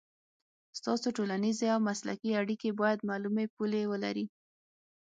ستاسو ټولنیزې او مسلکي اړیکې باید معلومې پولې ولري.